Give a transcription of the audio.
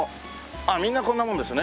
ああみんなこんなものですね。